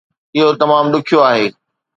اهو تمام ڏکيو آهي